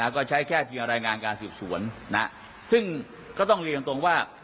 ก็ใช้แค่เพียงรายงานการสืบสวนซึ่งก็ต้องเรียนตรงว่า